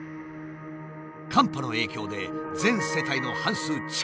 寒波の影響で全世帯の半数近く